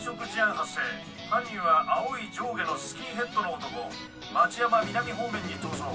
発生犯人は青い上下のスキンヘッドの男町山南方面に逃走。